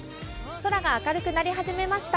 空が明るくなり始めました。